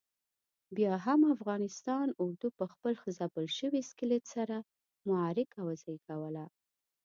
بیا هم افغانستان اردو پخپل ځپل شوي اسکلیت سره معرکه وزېږوله.